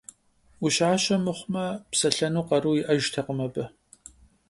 Ӏущащэ мыхъумэ, псэлъэну къару иӀэжтэкъым абы.